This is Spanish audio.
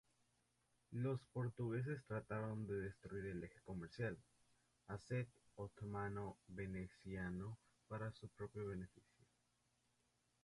Los portugueses trataron de destruir el eje comercial Aceh-otomano-veneciano para su propio beneficio.